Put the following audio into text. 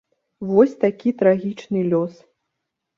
Вось такі трагічны лёс.